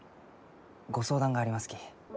ご相談がありますき。